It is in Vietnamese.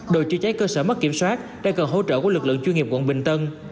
đội chữa cháy cơ sở mất kiểm soát đang cần hỗ trợ của lực lượng chuyên nghiệp quận bình tân